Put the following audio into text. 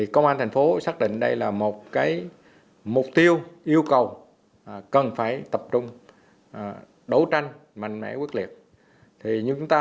công an tp hcm xác định đây là một mục tiêu yêu cầu cần phải tập trung đấu tranh mạnh mẽ quốc liệt